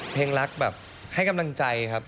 เพลงรักแบบให้กำลังใจครับ